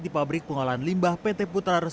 direktur pt peria menyatakan